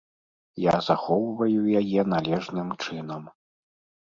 Я захоўваю яе належным чынам.